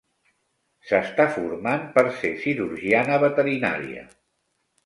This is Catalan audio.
S'està formant per ser cirurgiana veterinària.